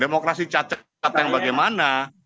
demokrasi cacat atau yang bagaimana